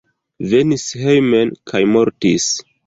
Venis hejmen kaj mortis.